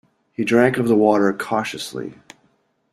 He drank of the water cautiously.